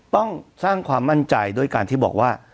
ต้องสร้างความมั่นใจด้วยการที่บอกว่า